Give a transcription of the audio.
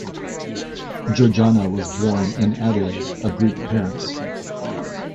Georganas was born in Adelaide of Greek parents.